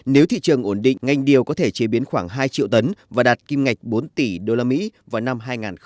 nếu thị trường ổn định ngành điều có thể chế biến khoảng hai triệu tấn và đạt kim ngạch bốn tỷ usd vào năm hai nghìn ba mươi